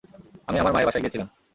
আমি আমার মায়ের বাসায় গিয়েছিলাম।